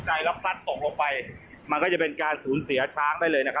แล้วพลัดตกลงไปมันก็จะเป็นการสูญเสียช้างได้เลยนะครับ